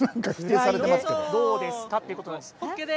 どうですかということなんです。